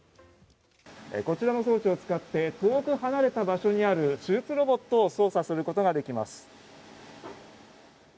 こちらの装置を使って遠く離れた場所にある手術ロボットを操作することができます。